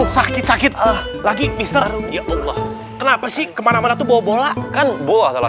sakit sakit lagi mr ya allah kenapa sih kemana mana tuh bawa bola kan bola salah